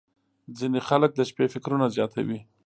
• ځینې خلک د شپې فکرونه زیاتوي.